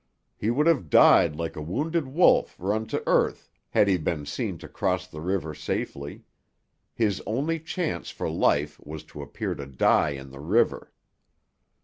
He would have died like a wounded wolf run to earth had he been seen to cross the river safely. His only chance for life was to appear to die in the river.